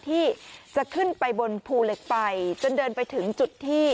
ที่จะขึ้นไปบนภูเหล็กไฟจนเดินไปถึงจุดที่